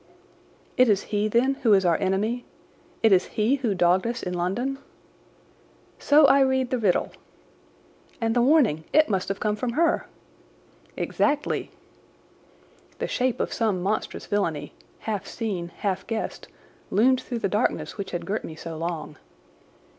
"It is he, then, who is our enemy—it is he who dogged us in London?" "So I read the riddle." "And the warning—it must have come from her!" "Exactly." The shape of some monstrous villainy, half seen, half guessed, loomed through the darkness which had girt me so long.